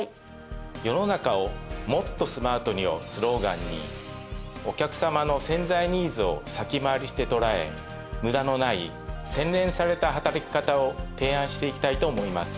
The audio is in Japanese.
「世の中をもっとスマートに」をスローガンにお客様の潜在ニーズを先回りして捉え無駄のない洗練された働き方を提案していきたいと思います。